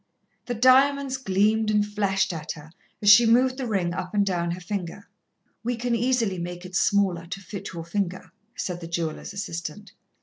The diamonds gleamed and flashed at her as she moved the ring up and down her finger. "We can easily make it smaller, to fit your finger," said the jeweller's assistant.